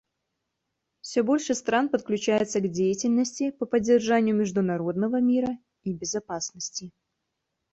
Все больше стран подключается к деятельности по поддержанию международного мира и безопасности.